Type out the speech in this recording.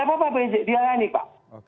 nggak apa apa dilihaini pak